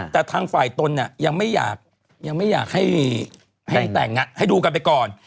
แต่ทางฝ่ายตนยังไม่อยากให้แต่งให้ดูกันไปก่อน